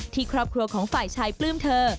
ครอบครัวของฝ่ายชายปลื้มเธอ